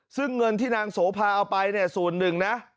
ซึ่งเงินที่นางโสภาเอาไปเนี่ยส่วนหนึ่งนะ